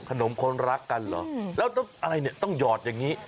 คนรักกันเหรอแล้วอะไรเนี่ยต้องหยอดอย่างนี้